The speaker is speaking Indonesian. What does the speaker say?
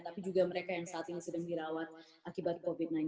tapi juga mereka yang saat ini sedang dirawat akibat covid sembilan belas